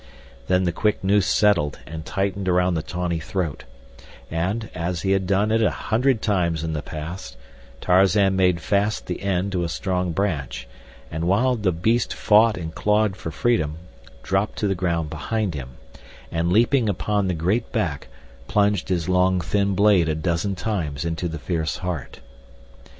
Then the quick noose settled and tightened about the tawny throat, and, as he had done it a hundred times in the past, Tarzan made fast the end to a strong branch and, while the beast fought and clawed for freedom, dropped to the ground behind him, and leaping upon the great back, plunged his long thin blade a dozen times into the fierce heart.